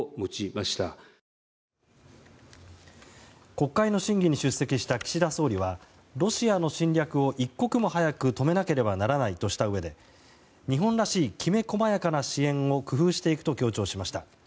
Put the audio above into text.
国会の審議に出席した岸田総理はロシアの侵略を一刻も早く止めなければならないとしたうえで日本らしい、きめ細やかな支援を工夫していくと強調しました。